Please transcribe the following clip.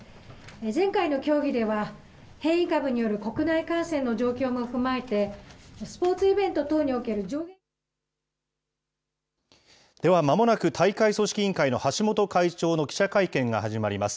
前回の協議では、変異株による国内感染の状況も踏まえて、スポーツイベント等にでは、まもなく大会組織委員会の橋本会長の記者会見が始まります。